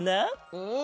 うん。